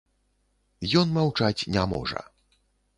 Ён маўчаць не можа.